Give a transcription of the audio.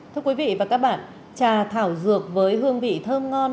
thưa quý vị và các bạn trà thảo dược với hương vị thơm ngon